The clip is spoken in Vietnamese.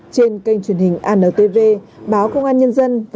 trên kênh truyền hình antv báo công an nhân dân